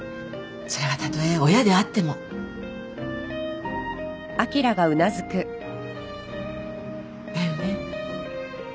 それがたとえ親であっても。だよね？